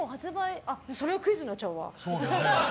それはクイズになっちゃうわ。